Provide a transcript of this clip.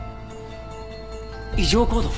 異常行動？